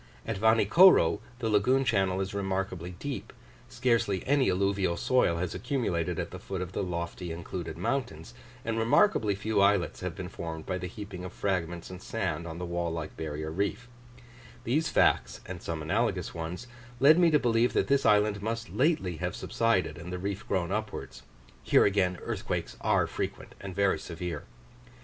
At Vanikoro, the lagoon channel is remarkably deep, scarcely any alluvial soil has accumulated at the foot of the lofty included mountains, and remarkably few islets have been formed by the heaping of fragments and sand on the wall like barrier reef; these facts, and some analogous ones, led me to believe that this island must lately have subsided and the reef grown upwards: here again earthquakes are frequent and very severe.